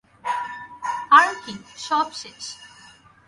আর কি, সব শেষ!